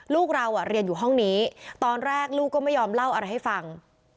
ลูกเราเรียนอยู่ห้องนี้ตอนแรกลูกก็ไม่ยอมเล่าอะไรให้ฟัง